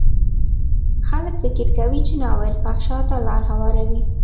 خلک فکر کوي چې ناول فحشا ته لار هواروي.